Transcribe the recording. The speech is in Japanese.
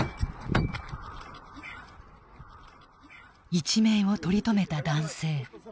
一命を取り留めた男性。